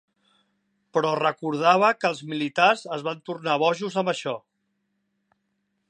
Però recordava que els militars es van tornar bojos amb això.